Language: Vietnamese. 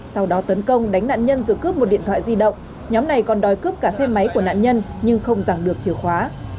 sau đó tấn công đánh nạn nhân rồi cướp một điện thoại di động nhóm này còn đòi cướp cả xe máy của nạn nhân nhưng không giảng được chìa khóa